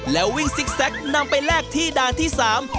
แล้ววิ่งซิกแซคนำไปแลกที่ด่านที่สาม